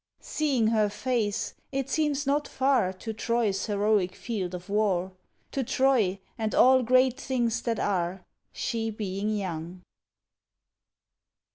Seeing her face, it seems not far To Troy's heroic field of war, To Troy and all great things that are, She being young.